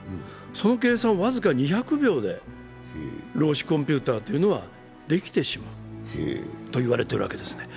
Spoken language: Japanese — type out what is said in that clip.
その計算を僅か２００秒で量子コンピュータというのはできてしまうと言われているんですね。